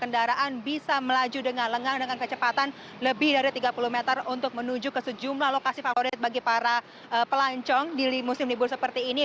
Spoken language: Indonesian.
kendaraan bisa melaju dengan lengang dengan kecepatan lebih dari tiga puluh meter untuk menuju ke sejumlah lokasi favorit bagi para pelancong di musim libur seperti ini